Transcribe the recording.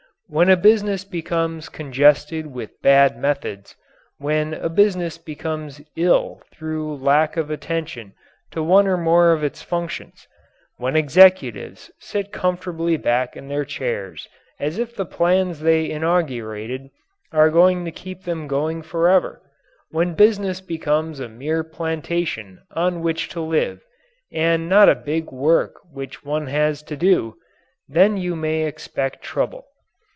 When a business becomes congested with bad methods; when a business becomes ill through lack of attention to one or more of its functions; when executives sit comfortably back in their chairs as if the plans they inaugurated are going to keep them going forever; when business becomes a mere plantation on which to live, and not a big work which one has to do then you may expect trouble.